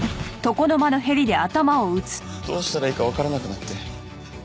どうしたらいいかわからなくなって。